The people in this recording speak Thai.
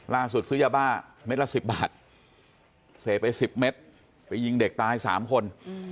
ซื้อยาบ้าเม็ดละ๑๐บาทเสพไป๑๐เมตรไปยิงเด็กตาย๓คน